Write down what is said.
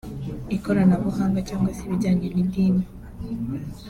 ikoranabuhanga cyangwa se ibijyanye n’idini